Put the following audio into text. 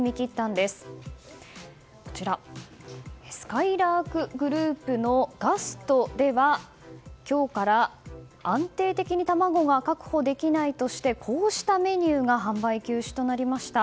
すかいらーくグループのガストでは、今日から安定的に卵が確保できないとしてこうしたメニューが販売休止となりました。